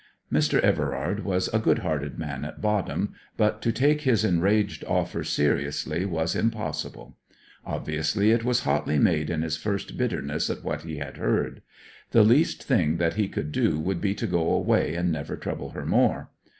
Mr. Everard was a good hearted man at bottom, but to take his enraged offer seriously was impossible. Obviously it was hotly made in his first bitterness at what he had heard. The least thing that he could do would be to go away and never trouble her more.